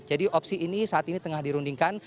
jadi opsi ini saat ini tengah dirundingkan